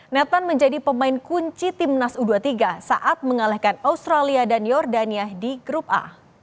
netton menjadi pemain kunci timnas u dua puluh tiga saat mengalahkan australia dan jordania di grup a